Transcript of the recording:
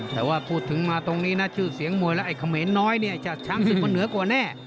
แต่ว่าพูดถึงมาตรงนี้นะชื่อเสียงมวยแล้วไอ้เขมรน้อยเนี่ยจากช้างศึกมันเหนือกว่าแน่